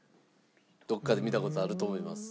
どこかで見た事あると思います。